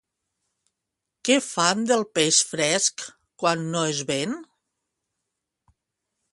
Que fan del peix fresc quan no es ven?